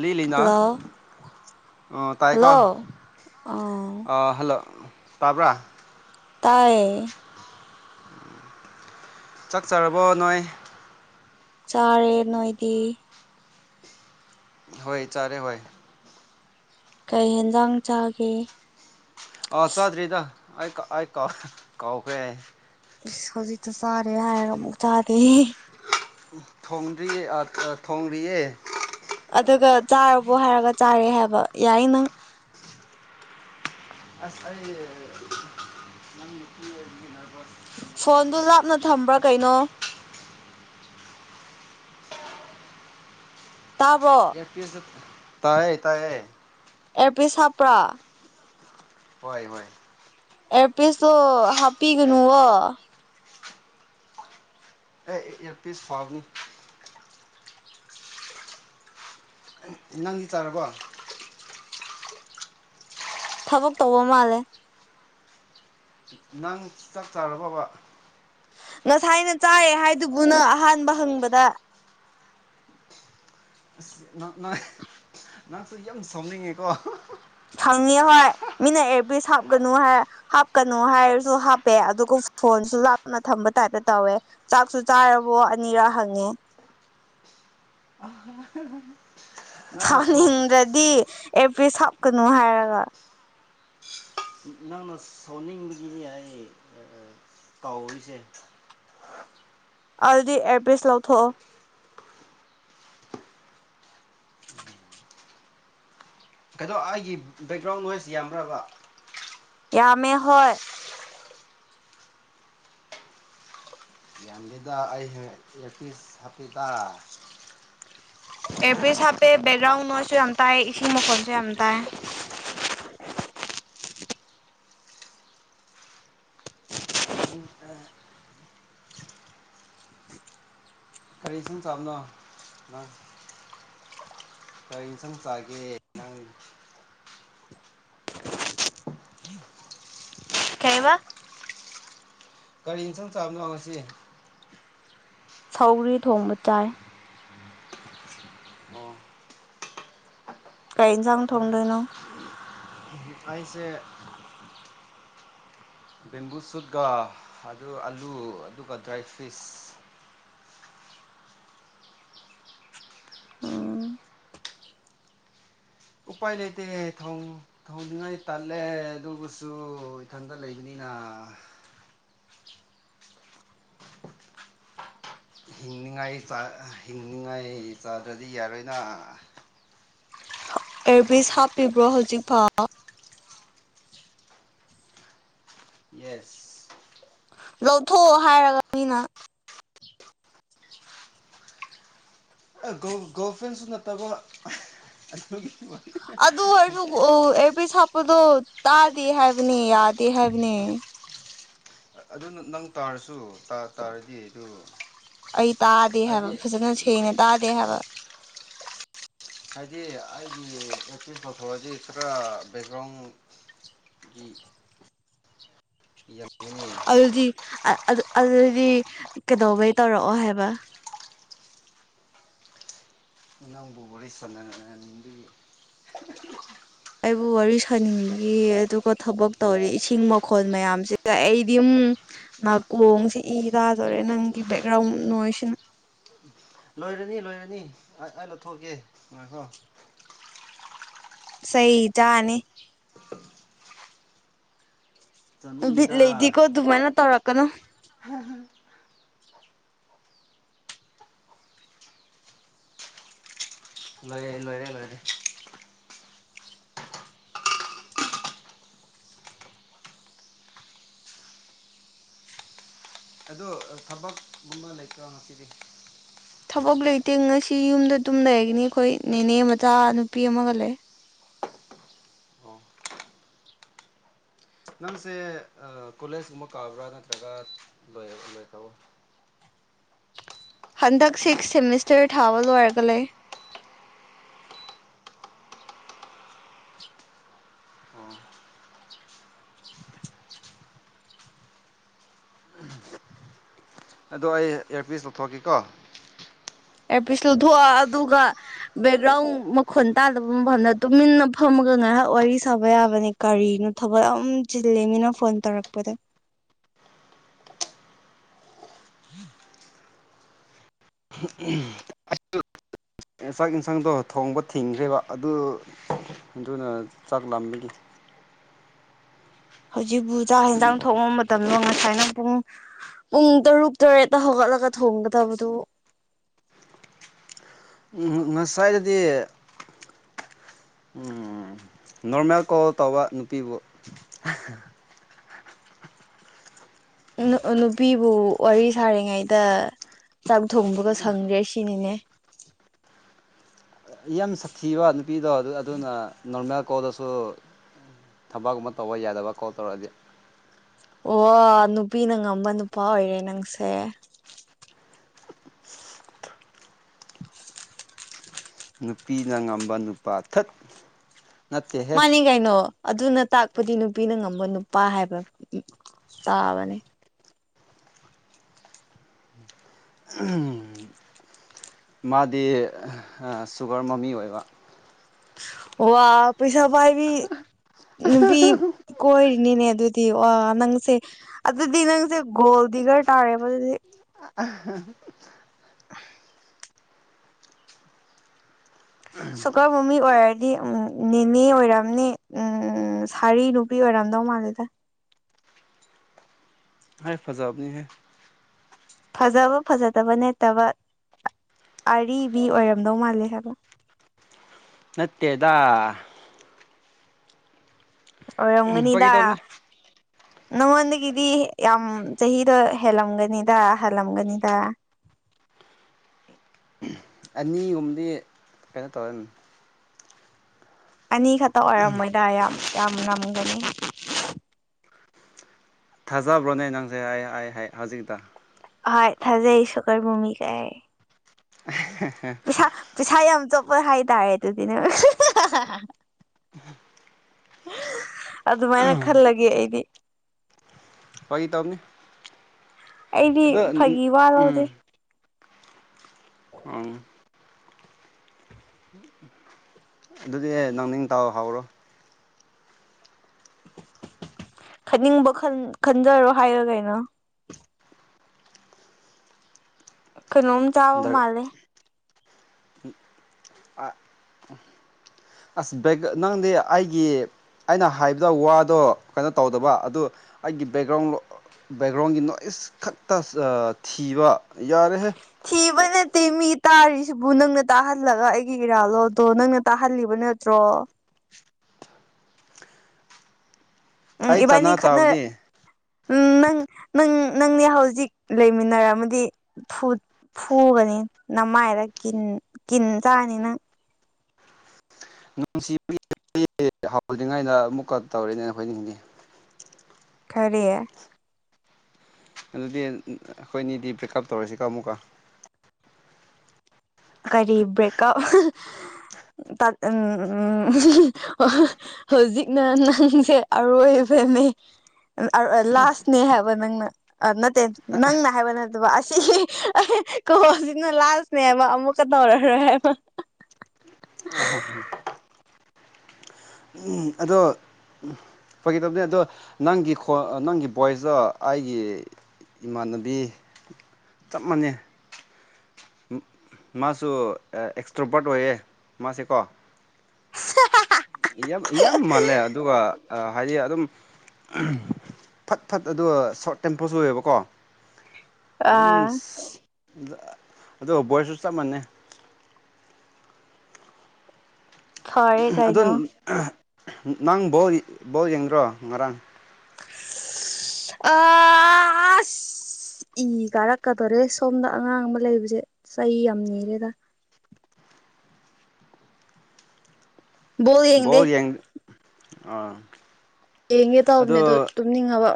ꯂꯤ ꯂꯅꯥ ꯍꯜꯂꯣ ꯇꯥꯏꯀꯣ ꯍꯜꯂꯣ ꯑ ꯍꯜꯂꯣ ꯇꯥꯕ꯭ꯔꯥ ꯇꯌꯦ ꯆꯥꯛꯆꯔꯕꯣ ꯅꯣꯏ ꯆꯥꯔꯦ ꯅꯣꯏꯗꯤ ꯍꯣꯏ ꯆꯥꯔꯦ ꯍꯣꯏ ꯀꯩ ꯌꯦꯦꯟꯖꯥꯡ ꯆꯥꯒꯦ ꯑꯥ ꯆꯥꯗ꯭ꯔꯤꯗ ꯑꯩ ꯑꯩ ꯀꯥꯎ ꯀꯥꯎꯈ꯭ꯔꯦ ꯍꯧꯖꯤ ꯆ ꯁꯔꯦ ꯍꯥꯏ ꯃꯨ ꯆꯥꯗ ꯊꯣꯡꯗ꯭ꯔꯤꯌꯦ ꯊꯣꯡ꯭ꯔꯤꯌꯦ ꯑ ꯌꯥꯏꯅ ꯑꯁ ꯑꯣꯏ ꯐꯣꯟꯗꯨ ꯂꯥꯞꯅ ꯊꯝꯕ꯭ꯔꯥ ꯀꯩꯅꯣ ꯇꯥꯕ꯭ꯔꯣ ꯇꯥꯏꯌꯦ ꯇꯥꯏ ꯑꯦꯔ ꯄ ꯆꯥꯄ꯭ꯔꯥ ꯍꯣꯏ ꯍꯣꯏ ꯑꯦꯔꯄꯤꯁꯇꯣ ꯍꯥꯞꯄꯤꯒꯅꯨꯕ ꯑꯦꯄꯤ ꯁꯥꯕꯅꯤ ꯅꯪꯗꯤ ꯇꯥꯔꯕꯣ ꯊꯕꯛ ꯇꯧꯕ ꯃꯥꯜꯂꯦ ꯅꯪ ꯆꯥꯛ ꯆꯔꯕꯕ ꯉꯁꯥꯏꯅ ꯆꯥꯏ ꯍꯥꯏꯗꯨꯕꯨꯅ ꯑꯍꯥꯟꯕ ꯍꯪꯕꯗ ꯅꯍꯛꯁꯨ ꯌꯥꯝ ꯁꯥꯎꯅꯤꯡꯉꯦꯀꯣ ꯈꯪꯅꯤ ꯍꯣꯏ ꯃꯤꯅ ꯑꯦꯔ ꯄꯁ ꯍꯥꯞꯀꯅꯨ ꯍꯥꯏ ꯍꯥꯞꯀꯅꯨ ꯍꯥꯏꯔꯁꯨ ꯍꯥꯞꯄꯦ ꯑꯗꯨꯒ ꯐꯣꯟꯁꯨ ꯂꯥꯞꯅ ꯊꯝꯕ ꯇꯥꯏꯞꯇ ꯇꯧꯋꯦ ꯆꯥꯛꯁꯨ ꯆꯥꯔꯕꯣ ꯑꯅꯤꯔꯛ ꯍꯪꯉꯦ ꯅꯪꯅ ꯁꯥꯎ ꯊꯥꯅꯤꯡꯗ꯭ꯔꯗꯤ ꯑꯦꯄ꯭ꯔꯤꯍ ꯍꯞꯀꯅꯨ ꯍꯥꯏꯔꯒ ꯅꯪꯅ ꯁꯥꯎꯅꯤꯡꯕꯒꯤꯅꯤ ꯍꯥꯏꯌ‌ꯦ ꯑ‌ꯦ ꯇꯥꯎꯔꯤꯁꯦ ꯑꯗꯨꯗꯤ ꯑꯦꯌ꯭ꫪ ꯄꯤꯁ ꯂꯧꯊꫭꯛꯑꫭ ꯀꯩꯅꯣ ꯑꯩꯒꯤ ꯕꯦꯛꯒ꯭ꯔꯥꯎꯟ ꯅꯣꯏꯁ ꯌꯥꯝꯕ꯭ꯔꯕ ꯌꯥꯝꯃꯦ ꯍꫭꯏ ꯌꯥꯝꯂꯗ ꯑꯩ ꯍ ꯑꯦꯄꯤꯤꯁ ꯍꯥꯄꯤꯗ ꯑꯦꯄ꯭ꯔꯤ ꯍꯥꯞꯄꯦ ꯕꯦꯛꯒ꯭ꯔꯥꯎꯟꯁꯨ ꯌꯥꯝ ꯇꯥꯏ ꯏꯁꯤꯡ ꯃꯈꯣꯟꯁꯨ ꯌꯥꯝ ꯇꯥꯏ [unintelligible] ꯇ [unintelligible] ꯀꯔꯤ ꯁꯝ ꯆꯥꯕꯅꯣ ꯀꯔꯤ ꯏꯟꯁꯥꯡ ꯆꯥꯒꯦ ꯀꯩ ꯋꯥ ꯀꯒꯥꯔꯤ ꯏꯟꯁꯥꯡ ꯆꯥꯕꯅꯣꯉꯁꯤ ꯁꯧꯔꯤ ꯊꯣꯡꯕ ꯆꯥꯏ ꯑꯣ ꯀꯩ ꯆꯥꯡ ꯊꯣꯡꯗꯣꯏꯅꯣ ꯑꯩꯁ‌ꯦ [inaudible] ꯕꯦꯝꯕꯨ ꯁꯨꯠꯀ ꯑꯗꯨ ꯑꯂꯨ ꯑꯗꯨꯒ ꯗ꯭ꯔꯥꯏ ꯐ꯭ꯔꯤꯁ ꯎꯝ ꯎꯄꯥꯏ ꯂꯩꯇꯦ ꯊꯣꯡꯅꯤꯡꯉꯥꯏ ꯇꯜꯂꯦ ꯑꯗꯨꯕꯨꯁꯨ ꯏꯊꯟꯇ ꯂꯩꯕꯅꯤꯅ [unintelligible] ꯍꯤꯡꯅꯤꯡꯉꯥꯏ ꯍꯤꯡꯅꯤꯡꯉꯥꯏ ꯆꯥꯗ꯭ꯔꯗꯤ ꯌꯥꯔꯣꯏꯅ ꯑꯦꯔꯕꯤꯁ ꯍꯥꯞꯄꯤꯕ꯭ꯔꯣ ꯍꯧꯖꯤꯛꯐꯥꯎ ꯌꯦꯁ ꯂꯧꯊꯣꯛꯑꯣ ꯍꯥꯏꯔꯒ ꯃꯤꯅ ꯒꫭ ꯒꯣꯐꯦꯟꯁꯨ ꯅꯠꯇꯕ ꯑꯗꯨꯒꯤ ꯑꯗꯨꯑꫭꯏꯖꯨ ꯑꫭ ꯕꯗꯣ ꯇꯥꯗꯦ ꯍꯥꯏꯕꯅꯤ ꯌꯥꯗꯦ ꯍꯥꯏꯕꯅꯤ ꯑꯗꯨꯅ ꯅꯪ ꯇꯥꯔꯁꯨ ꯇꯥ ꯇꯥꯔꯗꯤ ꯑꯗꯨ ꯑꯩ ꯇꯥꯗꯦ ꯍꯥꯏꯕ ꯍꯥꯏꯗꯤ ꯐꯖꯅ ꯁꯦꯡꯅ ꯇꯥꯗꯦ ꯍꯥꯏꯕ ꯍꯥꯏꯗꯤ ꯑꯩꯒꯤ ꯑꯦꯛꯇ ꯇꯊꯣꯛꯂꯗꯤ ꯈꯔ ꯕꯦꯛꯒ꯭ꯔꯥꯎꯟ ꯒꯤ ꯌꯝ ꯑꯗꯨꯗꯤ ꯑꯗꯨꯗꯤ ꯀꯩꯗꯧꯕꯩ ꯇꯧꯔꯛꯑꯣ ꯍꯥꯏꯕ ꯑꯪꯕꯨ ꯋꯥꯔꯤ ꯁꯥꯟꯅ ꯅꯗꯤ ꯑꯩꯕꯨ ꯋꯥꯔꯤ ꯁꯥꯅꯤꯡꯕꯒꯤ ꯑꯗꯨꯒ ꯊꯕꯛ ꯇꯧꯔꯤ ꯏꯁꯤꯡ ꯃꯈꫭꯜ ꯃꯌꯥꯝꯁꯤꯒ ꯑꯩꯗꯤ ꯎꯝ ꯅꯥꯀꯣꯡꯁꯤ ꯏ ꯇꯥꯗꯣꯔꯦ ꯅꯪꯒꯤ ꯕꯦꯛꯒ꯭ꯔꯥꯎꯟ ꯅꯣꯏꯁꯤꯅ ꯂꯣꯏꯔꯅꯤ ꯂꯣꯏꯔꯅꯤ ꯑꯩ ꯂꯧꯊꯣꯛꯀꯦ ꯉꯥꯏꯈꯣ ꯆ‌ꯩꯆꯥꯅꯤ ꯕꯤꯠ ꯆꯥꯅꯤꯡꯉꯤꯗ ꯂꯩꯗꯤꯀꯣ ꯑꯗꯨꯃꯥꯏꯅ ꯇꯧꯔꯛꯀꯅꯨ ꯂꯩꯌ‌ꯦ ꯂꫭꯏꫪ‌ꯦ ꯂꫭꯏꫪ‌ꯦ ꯑꯗꫭ ꯊꯕꯛꯀꯨꯝꯕ ꯂꯩꯇ꯭ꯔꯣ ꯉꯁꯤꯗꯤ ꯊꯕꯛ ꯂꯩꯇꯦ ꯉꯁꯤ ꯌꯨꯝꯗ ꯑꯗꯨꯝ ꯂꯩꯒꯅꯤ ꯑꯩꯈꯣꯏ ꯅꯦꯅꯦ ꯃꯆꯥ ꯅꯨꯄꯤ ꯑꯃꯒ ꯂꯩ ꯑꯣ ꯅꯪꯁꯦ ꯀꯣꯂꯦꯖꯀꯨꯝꯕ ꯀꯥꯕ꯭ꯔꯥ ꯅꯠꯇ꯭ꯔꯒ ꯂꯣꯏ ꯇꯧꯕ ꯍꯟꯗꯛ ꯁꯤꯛꯁ ꯁꯦꯃꯤꯁꯇꯔ ꯊꯥꯕ ꯂꯣꯏꯔꯒ ꯂꯩ ꯑꯣ ꯑꯗꫭ ꯑꯩ ꯏꯌꯥꯔꯄꯤꯁ ꯂꯧꯊꯣꯛꯀ ꯀ‌ꯩꯀꫭ ꯑꯦꯌꯥꯔꯄꯤꯁ ꯂꯧꯊꯣꯛꯑꫭ ꯑꯗꯨꯒ ꯕꯦꯛꯒ꯭ꯔꯥꯎꯟ ꯃꯈꯣꯟ ꯇꯥꯗꯕ ꯃꯐꯝꯗ ꯇꯨꯃꯤꯟꯅ ꯐꯝꯃꯒ ꯉꯥꯏꯍꯥꯛ ꯋꯥꯔꯤ ꯁꯥꯕ ꯌꯥꯕꯅꯦ ꯀꯔꯤꯅꯣ ꯊꯕꯛ ꯌꯥꯝ ꯆꯤꯜꯂ‌ꯦ ꯃꯤꯅ ꯐꯣꯟ ꯇꯧꯔꯛꯄꯗ [unintelligible] ꯏꯟꯆꯥꯛ ꯁꯥꯡꯗꯣ ꯊꯣꯡꯕ ꯊꯤꯡꯈ꯭ꯔꯦꯕ ꯑꯗꯨ ꯑꯗꯨꯅ ꯆꯥꯛ ꯂꯥꯝꯕꯒꯤ ꯍꯧꯖꯤꯛꯕꯨ ꯆꯥꯛ ꯌꯦꯟꯁꯥꯡ ꯊꯣꯡꯕ ꯃꯇꯝꯂꯣ ꯉꯁꯥꯏꯅ ꯄꯨꯡ ꯄꯨꯡ ꯇꯔꯨꯛ ꯇꯔꯦꯠꯇ ꯍꯧꯒꯠꯂꯒ ꯊꯣꯡꯒꯗꯕꯗꯨ ꯉꯁꯥꯏꯗꯗꯤ ꯅꯣꯔꯃꯦꯜ ꯀꯣꯜ ꯇꯧꯕ ꯅꯨꯄꯤꯕꯨ ꯎ ꯅꯨꯄꯤꯕꯨ ꯋꯥꯔꯤ ꯁꯥꯔꯤꯉꯩꯗ ꯆꯥꯛ ꯊꯣꯡꯕꯒ ꯁꯪꯗ꯭ꯔꯦ ꯁꯤꯅꯤꯅꯦ ꯌꯥꯝ ꯁꯥꯊꯤꯕ ꯅꯨꯄꯤꯗꯣ ꯑꯗꯨ ꯑꯗꯨꯅ ꯅꯣꯔꯃꯦꯜ ꯀꯣꯜꯗꯁꯨ ꯊꯕꯛꯀꯨꯝꯕ ꯇꯧꯕ ꯌꯥꯗꯕ ꯀꯣꯜ ꯇꯧꯔꯛꯑꯗꯤ ꯑꯣ ꯅꯨꯄꯤꯅ ꯉꯝꯕ ꯅꯨꯄꯥ ꯑꯣꯏꯔꯦ ꯅꯪꯁꯦ ꯅꯨꯄꯤꯅ ꯉꯝꯕ ꯅꯨꯄꯥ ꯊꯠ ꯅꯠꯇꯦꯍꯦ ꯃꯥꯅꯤ ꯀꯩꯅꯣ ꯑꯗꯨ ꯅ ꯇꯥꯛꯄꯗꯤ ꯅꯨꯄꯤꯅ ꯉꯝꯕ ꯅꯨꯄꯥ ꯍꯥꯏꯕ ꯆꯥꯕꯅꯤ ꯎꯝ ꯃꯥꯗꯤ ꯁꯨꯒꯔ ꯃꯃꯤ ꯑꯣꯏꯕ ꯋꯥ ꯄꯩꯁꯥ ꯄꯥꯏꯕꯤ ꯅꯨꯄꯤ ꯀꯣꯏꯅꯤꯅꯦ ꯑꯗꯨ ꯋꯥ ꯅꯪꯁꯦ ꯑꯗꯨꯗꯤ ꯅꯪꯁꯦ ꯒꯣꯜ ꯗꯤꯒꯔ ꯇꯥꯔꯦꯕ ꯑꯗꯨꯗꯤ ꯑꯁ ꯁꯨꯒꯔ ꯃꯃꯤ ꯑꯣꯏꯔꯗꯤ ꯎꯝ ꯅꯦꯅꯦ ꯑꯣꯏꯔꯝꯅꯤ ꯎꯝ ꯁꯥꯔꯤ ꯅꯨꯄꯤ ꯑꯣꯏꯔꯝ ꯗꯥꯎ ꯃꯥꯜꯂꯤꯗ ꯑꯩ ꯐꯖꯥꯕꯅꯤ ꯍꯦ ꯐꯖꯕ ꯐꯖꯗꯕ ꯅꯠꯇꯕ ꯑꯔꯤꯕꯤ ꯑꯣꯏꯔꯝꯗꯧ ꯃꯥꯜꯂꯦ ꯍꯥꯏꯕ ꯅꯠꯇꯦꯗꯥ ꯑꯣꯢꯔꯝꯒꯅꯤꯗ ꯐꯥꯒꯤ ꯇꯧꯕꯅꯤ ꯅꯉꯣꯟꯗꯒꯤꯗꯤ ꯌꯥꯝ ꯆꯍꯤꯗꯣ ꯍꯦꯜꯂꯝꯒꯅꯤꯗ ꯍꯜꯂꯝꯒꯅꯤꯗ [inaudible] ꯑꯅꯤꯒꯨꯝꯕꯗꯤ ꯀꯩꯅꯣ ꯇꯧꯔꯦ ꯑꯅꯤ ꯈꯛꯇ ꯑꯣꯏꯔꯝꯃꯣꯏꯗ ꯌꯥꯝ ꯌꯥꯝ ꯂꯝꯒꯅꯤ ꯊꯥꯖꯕ꯭ꯔꯣꯅꯦ ꯅꯪꯁꯦ ꯑꯩ ꯍꯥꯏ ꯍꯥꯏ ꯍꯧꯖꯤꯛꯇ ꯍꯣꯢ ꯊꯥꯖꯩꯏ ꯁꯨꯒꯔ ꯃꯤꯃꯤ ꯀꯥꯏ ꯄꯤꯁꯥ ꯄꯤꯁꯥ ꯌꯥꯝ ꯆꯣꯞ ꯍꯣꯏ ꯍꯥꯏ ꯇꯥꯔꯦ ꯑꯗꯨꯗꯤꯅꯦ ꯑꯗꯨꯃꯥꯏꯅ ꯈꯜꯂꯒꯦ ꯑꯩꯗꯤ ꯐꯥꯒꯤ ꯇꯧꯕꯅꯤ ꯑꯩꯗꯤ ꯑꯗꯣ ꯐꯥꯒꯤ ꯋꯥ ꯎꯝ ꯂꯧꯗꯦ ꯎꯝ ꯑꯗꯨꯗꯤ ꯑꯦ ꯅꯪꯅꯤꯡ ꯇꯧꯍꯧꯔꯣ ꯈꯟꯅꯤꯡꯕ ꯈꯟꯖꯔꯣ ꯍꯥꯏꯔꯣ ꯀꯩꯅꯣ ꯀꯩꯅꯣꯝ ꯆꯥꯕ ꯃꯥꯂꯦ ꯑ ꯑꯁ ꯕꯒ ꯅꯪꯗꯤ ꯑꯩꯒꯤ ꯑꯩꯅ ꯍꯥꯏꯕꯗ ꯋꯥꯗꯣ ꯀꯩꯅꯣ ꯇꯧꯗꯕ ꯑꯗꯨ ꯑꯩꯒꯤ ꯕꯦꯛꯒ꯭ꯔꯥꯎꯟ ꯕꯦꯛꯒ꯭ꯔꯥꯎꯟꯒꯤ ꯅꯣꯏꯁ ꯈꯛꯇ ꯊꯤꯕ ꯌꯥꯔꯦꯍꯦ ꯊꯤꯕ ꯅꯠꯇꯦ ꯃꯤ ꯇꯥꯔꯤꯁꯤꯕꯨ ꯅꯪꯅ ꯇꯥꯍꯜꯂꯒ ꯑꯩꯒꯤ ꯏꯔꯥꯜꯂꯣ ꯑꯗꯣ ꯅꯪꯅ ꯇꯥꯍꯜꯂꯤꯕ ꯅꯠꯇ꯭ꯔꯣ ꯎꯝ ꯑꯩ ꯏꯕꯥꯅꯤ ꯆꯅꯥ ꯈꯅ ꯆꯥꯕꯅꯤ ꯎꯝ ꯅꯪ ꯅꯪ ꯅꯪꯅꯦ ꯍꯧꯖꯤꯛ ꯂꯩꯃꯤꯟꯅꯔꯝꯃꯗꯤ ꯐꯨ ꯐꯨꯒꯅꯤ ꯅꯃꯥꯏꯗ ꯀꯤꯟ ꯀꯤꯟ ꯆꯥꯅꯤ ꯅꯪ ꯅꯨꯡꯁꯤ ꯍꯗ꯭ꯔꯤꯉꯩꯗ ꯑꯃꯨꯛꯀ ꯇꯧꯔꯦꯅꯦ ꯑꯩꯈꯣꯏꯅꯤ ꯀꯔꯤ ꯑꯗꯨꯗꯤ ꯑꯩꯈꯣꯏꯅꯤꯗꯤ ꯄꯔꯤꯛꯑꯞ ꯇꯧꯔꯁꯤꯀ ꯑꯃꯨꯛꯀ ꯀꯔꯤ ꯕ꯭ꯔꯦꯀ ꯇ ꯎ ꯍꯧꯖꯤꯛꯅ ꯅꯁꯦ ꯂꯥꯁꯅꯦꯍ ꯅꯅ ꯅꯠꯇꯦ ꯅꯪꯅ ꯍꯥꯏꯕ ꯅꯠꯇꯕ ꯑꯁꯤ ꯀꯣꯅ ꯂꯅꯦ ꯃ ꯑꯃꯨꯛꯀ ꯇꯧꯔꯔꯣꯏ ꯍꯥꯏꯕ ꯑꯍꯍ ꯎꯝ ꯑꯗꯣ ꯐꯒꯗꯕꯅꯦ ꯑꯗꯣ ꯅꯪꯒꯤ ꯅꯪꯒꯤ ꯚꯣꯏꯁꯇꯣ ꯑꯩꯒꯤ ꯏꯃꯥꯟꯅꯕꯤ ꯆꯞ ꯃꯥꯟꯅꯩ ꯃꯥꯁꯨ ꯑꯦꯛꯁꯇ꯭ꯔꯣꯄꯔꯠ ꯑꯣꯏꯌꯦ ꯃꯥꯁꯦꯀꯣ [inaudible] ꯌꯥꯝ ꯌꯥꯝ ꯃꯥꯜꯂꯦ ꯑꯗꯨꯒ ꯍꯥꯏꯗꯤ ꯑꯗꯨꯝ ꯐꯠ ꯐꯠ ꯑꯗꯨꯒ ꯁꯣꯔꯠ ꯇꯦꯝꯄꯣꯜꯁꯨ ꯑꯣꯏꯌꯦꯕꯀꯣ ꯑꯗꯨꯝ ꯑꯥ ꯑꯣ ꯚꯣꯏꯁꯁꯨ ꯆꯞ ꯃꯥꯟꯅꯩ ꯐꯔꯦ ꯑꯗꯣ ꯀꯩꯅꯣ ꯅꯪ ꯕꯧ ꯕꯧ ꯌꯦꯡꯗ꯭ꯔꯣ ꯉꯔꯥꯡ ꯑ ꯏ ꯀꯥꯔꯛꯀꯗꯣꯔꯦ ꯁꯣꯝꯗ ꯑꯉꯥꯡ ꯑꯃ ꯂꯩꯕꯁꯦ ꯆꯍꯤ ꯌꯥꯝ ꯅꯤꯔꯦꯗ ꯕꯣꯜ ꯣ ꯌꯦꯡꯗꯦ ꯌꯦꯡ ꯑꯥ ꯌꯦꯡꯒꯦ ꯇꯥꯎꯕꯅꯦ ꯑꯗꯣ ꯇꯨꯝꯅꯤꯡꯉꯕ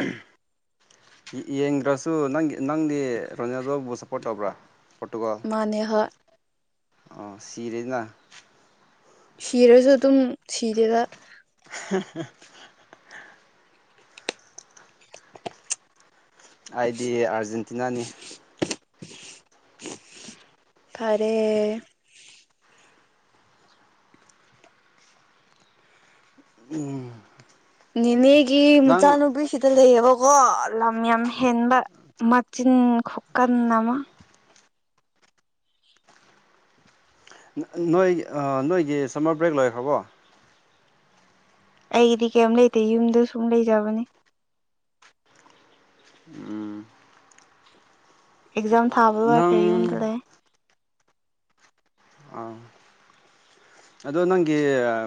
ꯌꯦꯡꯗ꯭ꯔꯁꯨ ꯅꯪ ꯅꯪꯗꯤ ꯔꯣꯅꯦꯜꯗꯣꯕꯨ ꯁꯞꯄꯣꯔꯠ ꯇꯧꯕ꯭ꯔꯥ ꯃꯥꯅꯦꯍ ꯑ ꯁꯤꯔꯦꯗꯅ ꯁꯤꯔꯁꯨ ꯑꯗꯨꯝ ꯁꯤꯗꯦꯗ [inaudible] ꯑꯩꯗꯤ ꯑꯥꯔꯖꯦꯟꯇꯤꯅꯥꯅꯤ ꯇꯥꯔꯦ ꯎꯝ ꯅꯅꯦꯒꯤ ꯅꯪ ꯆꯥꯅꯨ ꯕꯤꯁꯤꯗꯂ ꯌꯥꯕ ꯑꯣ ꯂꯝ ꯌꯥꯝ ꯍꯦꯟꯕ ꯃꯆꯤꯟ ꯈꯣꯀꯟ ꯑꯃ ꯅꯣꯏ ꯅꯣꯏꯒꯤ ꯁꯝꯃꯔ ꯕ꯭ꯔꯦꯛ ꯂꯣꯏꯈ꯭ꯔꯕꯣ ꯑꯩꯒꯤꯗꯤ ꯀꯩꯝ ꯂꯩꯇꯦ ꯌꯨꯝꯗ ꯁꯨꯝ ꯂꯩꯖꯕꯅꯦ ꯎꯝ ꯑꯦꯛꯖꯥꯝ ꯊꯥꯕ ꯂꯣꯏ ꯅꯪ ꯐꯔꯦ ꯌꯨꯝꯗꯨ ꯂꯩ ꯑꯥ [inaudible] ꯑꯗꯣ ꯅꯪꯒꯤ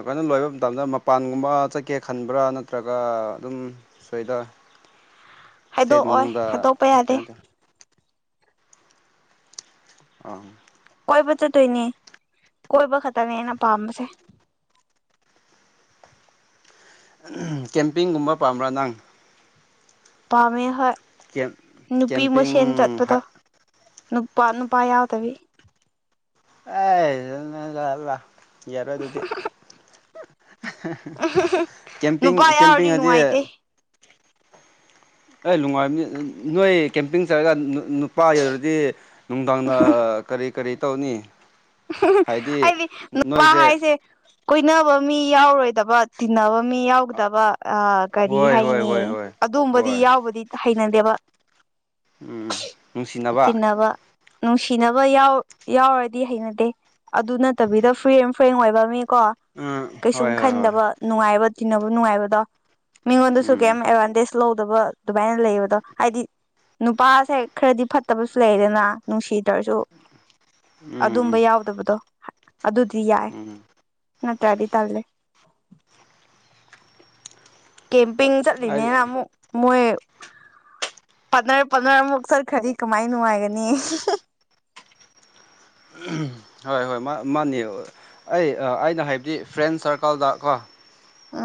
ꯀꯩꯅꯣ ꯂꯣꯏꯕ ꯃꯇꯝꯗ ꯃꯄꯥꯟꯒꯨꯝꯕ ꯆꯠꯀꯦ ꯈꯟꯕ꯭ꯔꯥ ꯅꯠꯇ꯭ꯔꯒ ꯑꯗꯨꯝ ꯁꯣꯏꯗꯥ ꯍꯥꯏꯗꯣꯛꯑꯣꯏ ꯍꯥꯏꯗꯣꯛꯄ ꯌꯥꯗꯦ ꯀꯩꯅꯣ ꯇꯧ ꯑ ꯀꯣꯏꯕ ꯆꯠꯇꯣꯏꯅꯦ ꯀꯣꯏꯕ ꯈꯛꯇꯅꯦ ꯑꯩꯅ ꯄꯥꯝꯕꯁꯦ ꯀꯦꯝꯄꯤꯡꯒꯨꯝꯕ ꯄꯥꯝꯕ꯭ꯔꯥ ꯅꯪ ꯄꯥꯝꯃꯦ ꯍꯣꯏ ꯀꯦꯝ ꯅꯨꯄꯤ ꯀꯦꯝꯄꯤꯡ ꯃꯁꯦꯟ ꯆꯠꯄꯗꯣ ꯍꯥꯏ ꯅꯨꯄꯥ ꯅꯨꯄꯥ ꯌꯥꯎ ꯇꯕꯤ ꯑꯦꯂ ꯌꯥꯔꯣꯏ ꯑꯗꯨꯗꯤ ꯀꯦꯝꯄꯤꯡ ꯅꯨꯄꯥ ꯀꯦꯝꯄꯤꯡ ꯌꯥꯎꯔꯗꯤ ꯍꯥꯏꯗꯤ ꯅꯨꯡꯉꯥꯏꯇꯦ ꯑꯩ ꯅꯨꯡꯉꯥꯏꯕꯅꯤ ꯅꯣꯏ ꯀꯦꯝꯄꯤꯡ ꯆꯠꯔꯒ ꯅꯨꯄꯥ ꯌꯔꯗꯤ ꯅꯨꯡꯗꯥꯡꯗ ꯀꯔꯤ ꯀꯔꯤ ꯇꯧꯅꯤ ꯍꯥꯏꯗꯤ ꯅꯄꯥ ꯅꯣꯏꯁꯦ ꯍꯥꯏꯁꯦ ꯀꯣꯏꯅꯕ ꯃꯤ ꯌꯥꯎꯔꯣꯏꯗꯕ ꯇꯤꯟꯅꯕ ꯃꯤ ꯌꯥꯎꯒꯗꯕ ꯑ ꯀꯔꯤ ꯍꯣꯏ ꯍꯣꯏ ꯍꯥꯏꯅꯤ ꯍꯣꯏ ꯍꯣꯏ ꯑꯗꯨꯝꯕꯗꯤ ꯍꯣꯏ ꯌꯥꯎꯕꯗꯤ ꯍꯩꯅꯗꯦꯕ ꯎꯝ ꯅꯨꯡꯁꯤꯅꯕ ꯇꯤꯟꯅꯕ ꯅꯨꯡꯁꯤꯅꯕ ꯌꯥ ꯌꯥꯎꯔꯗꯤ ꯍꯩꯅꯗꯦ ꯑꯗꯨ ꯅꯠꯇꯕꯤꯗ ꯐ꯭ꯔꯤ ꯑꯦꯟ ꯐ꯭ꯔꯦꯡ ꯑꯣꯏꯕ ꯃꯤ ꯀꯣ ꯎꯝ ꯀꯩꯁꯨꯝ ꯍꯣꯏ ꯍꯣꯏ ꯍꯣꯏ ꯈꯟꯗꯕ ꯅꯨꯡꯉꯥꯏꯕ ꯆꯤꯕ ꯅꯨꯡꯉꯥꯏꯕꯗꯣ ꯃꯤꯉꯣꯟꯗꯁꯨ ꯀꯩ ꯎꯝ ꯑꯦꯗꯚꯇꯦꯖ ꯂꯧꯗꯕ ꯑꯗꯨꯃꯥꯏꯅ ꯂꯩꯌꯦꯕꯗꯣ ꯍꯥꯏꯗꯤ ꯅꯨꯄꯥꯁꯦ ꯈꯔꯗꯤ ꯐꯠꯇꯕꯁꯨ ꯂꯩꯗꯦꯅ ꯅꯨꯡꯁꯤꯠ ꯇꯔꯁꯨ ꯑꯗꯨꯝꯕ ꯎꯝ ꯎꯝ ꯌꯥꯎꯗꯕꯗꯣ ꯑꯗꯨꯗꯤ ꯌꯥꯏ ꯎꯝ ꯅꯠꯇ꯭ꯔꯗꯤ ꯇꯜꯂꯦ ꯀꯦꯝꯄꯤꯡ ꯑꯩ ꯆꯠꯂꯤꯅꯤꯅ ꯑꯃꯨꯛ ꯃꯣꯏ ꯄꯠꯅ ꯄꯠꯅꯔꯃꯨꯛ ꯆꯠꯈ꯭ꯔꯗꯤ ꯀꯃꯥꯏ ꯅꯨꯡꯉꯥꯏꯒꯅꯤ [inaudible] ꯎꯝ ꯍꯣꯏ ꯍꯣꯏ ꯃꯥ ꯃꯥꯅꯦ ꯑꯩ ꯑꯩꯅ ꯍꯥꯏꯕꯗꯤ ꯐ꯭ꯔꯦꯟ ꯁꯥꯔꯀꯜꯗ ꯀꯣ